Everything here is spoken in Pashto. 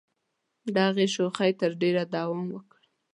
دغې شوخۍ تر ډېره دوام وکړ.